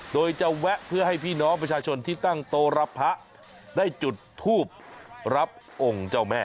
โดยจะแวะเพื่อให้พี่น้องประชาชนที่ตั้งโตรับพระได้จุดทูบรับองค์เจ้าแม่